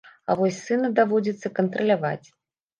А вось сына даводзіцца кантраляваць.